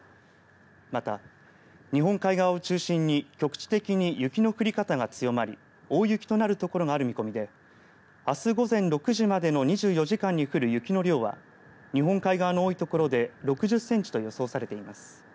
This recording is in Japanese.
また、日本海側を中心に局地的に雪の降り方が強まり大雪となる所がある見込みであす午前６時までの２４時間に降る雪の量は日本海側の多い所で６０センチと予想されています。